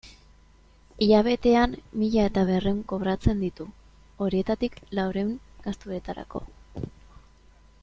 Hilabetean mila eta berrehun kobratzen ditu, horietatik laurehun gastuetarako.